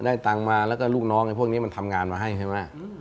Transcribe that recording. ตังค์มาแล้วก็ลูกน้องไอ้พวกนี้มันทำงานมาให้ใช่ไหม